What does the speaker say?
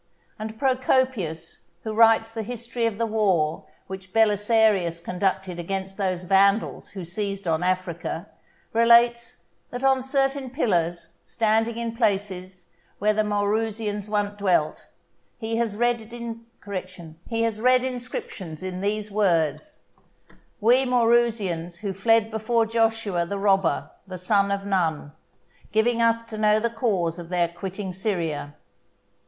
And Procopius, who writes the history of the war which Belisarius conducted against those Vandals who seized on Africa, relates, that on certain pillars standing in places where the Maurusians once dwelt, he had read inscriptions in these words: "We Maurusians who fled before Joshua, the robber, the son of Nun;" giving us to know the cause of their quitting Syria.